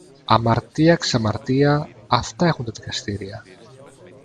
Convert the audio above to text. Αμαρτία, ξαμαρτία, αυτά έχουν τα δικαστήρια!